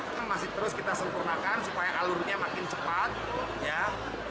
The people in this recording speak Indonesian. kita masih terus kita sempurnakan supaya alurnya makin cepat